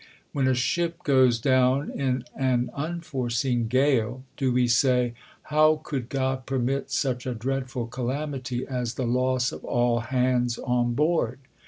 When a ship goes down in an "unforeseen" gale, "Do we say, 'How could God permit such a dreadful calamity as the loss of all hands on board?